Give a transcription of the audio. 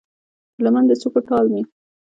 د لمن د څوکو ټال مې